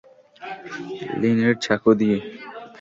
লিনের চাকু দিয়ে!